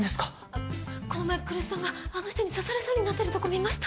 あっこの前来栖さんがあの人に刺されそうになってるとこ見ました。